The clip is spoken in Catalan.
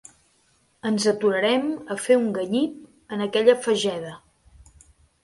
Ens aturarem a fer un ganyip en aquella fageda.